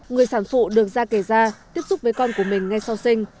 người sản phụ được ra kề ra tiếp xúc với con của mình ngay sau sinh